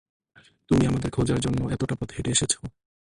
তুমি আমাদের খোঁজার জন্য এতটা পথ হেঁটে এসেছ।